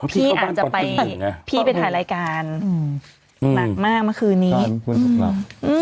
พี่อาจจะไปพี่ไปถ่ายรายการอืมหนักมากเมื่อคืนนี้ใช่คุณสุขครับ